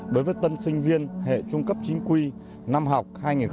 đối với tân sinh viên hệ trung cấp chính quy năm học hai nghìn hai mươi hai nghìn hai mươi một